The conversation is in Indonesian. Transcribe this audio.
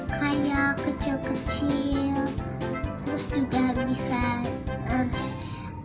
kayak kecil kecil terus juga bisa produk